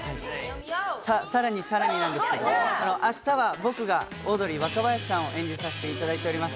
さらにさらになんですけど、あしたは、僕がオードリー・若林さんを演じさせていただいております